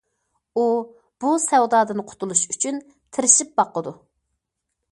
ئۇ بۇ سەۋدادىن قۇتۇلۇش ئۈچۈن تىرىشىپ باقىدۇ.